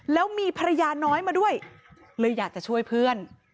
แล้วมีภรรยาน้อยมาด้วยเลยอยากจะช่วยเพื่อน